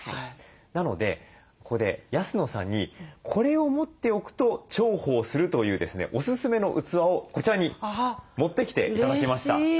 なのでここで安野さんにこれを持っておくと重宝するというですねおすすめの器をこちらに持ってきて頂きました。